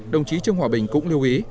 đồng chí trương hòa bình cũng lưu ý